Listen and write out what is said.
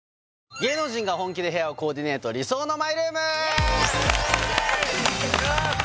芸能人が本気で部屋をコーディネート理想のマイルームイエーイ！